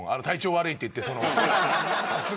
体調悪いって言って。